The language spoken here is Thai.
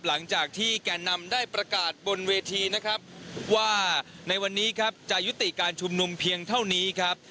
หลังจากที่แก่นำได้ประกาศบนเวทีนะครับว่าในวันนี้ครับจะยุติการชุมนุมเพียงเท่านี้ครับ